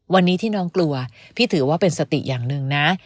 วันนี้ที่น้องกลัวพี่ถือว่าเป็นสติอย่างหนึ่งนะ